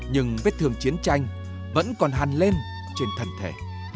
nhưng vết thương chiến tranh vẫn còn hàn lên trên thần thể